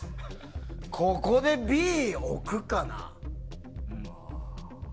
ここでＢ置くかな？